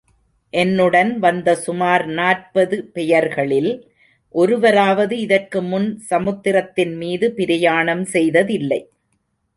என்னுடன் வந்த சுமார் நாற்பது பெயர்களில் ஒருவராவது இதற்கு முன் சமுத்திரத்தின் மீது பிரயாணம் செய்ததில்லை.